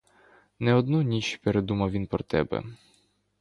Не одну ніч передумав він про тебе.